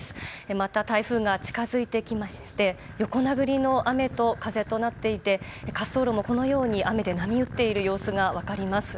また台風が近づいてきまして横殴りの雨と風となっていて滑走路も、このように雨で波打っている様子が分かります。